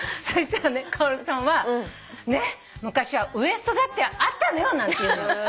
そしたらねカオルさんは「昔はウエストだってあったのよ」なんて言うのよ。